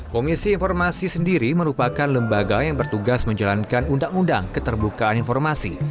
komisi informasi di tiga puluh empat provinsi ini